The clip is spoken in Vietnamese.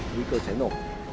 nghĩa cơ cháy nổ